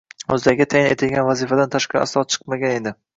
O'zlariga tayin etilgan vazifadan tashqari aslo chiqmagan edi.